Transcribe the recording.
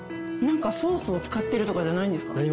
なんかソースを使ってるとかじゃないんですか？